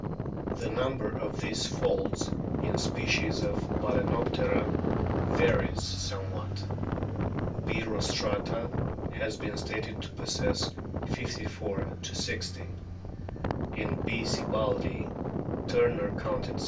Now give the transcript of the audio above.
The number of these folds in species of Balanop tera varies somewhat. B. rostrata has been stated to possess 54 60 ; in B. sibbaldii Turner counted 60.